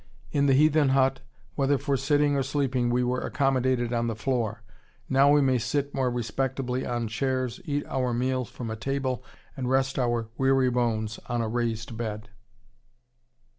In the heathen hut, whether for sitting or sleeping, we were accommodated on the floor; now we may sit more respectably on chairs, eat our meals from a table, and rest our weary bones on a raised bed.